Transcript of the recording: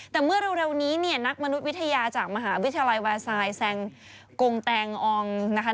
แต่เมื่อเร็วนี้เนี่ยนักมนุษยวิทยาจากมหาวิทยาลัยวาซายแซงกงแตงอองนะคะ